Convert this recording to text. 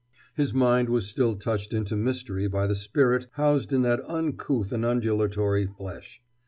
His mind was still touched into mystery by the spirit housed in that uncouth and undulatory flesh.